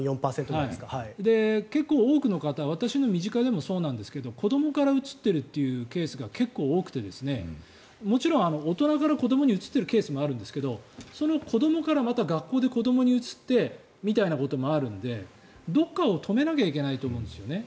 結構多くの方私の身近でもそうですが子どもからうつってるというケースが結構多くてもちろん大人から子どもにうつっているケースもあるんですけどその子どもからまた学校で子どもにうつってみたいなこともあるのでどこかを止めなきゃいけないと思うんですね。